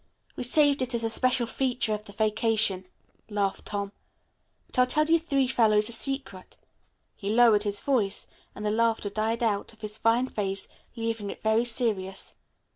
"We saved it as a special feature of the occasion," laughed Tom, "but I'll tell you three fellows a secret." He lowered his voice and the laughter died out of his fine face, leaving it very serious.